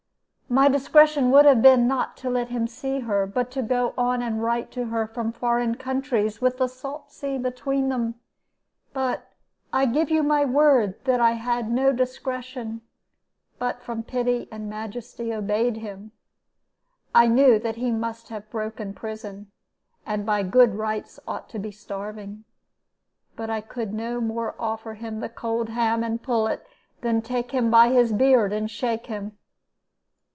"My discretion would have been not to let him see her, but go on and write to her from foreign countries, with the salt sea between them; but I give you my word that I had no discretion, but from pity and majesty obeyed him. I knew that he must have broken prison, and by good rights ought to be starving. But I could no more offer him the cold ham and pullet than take him by his beard and shake him.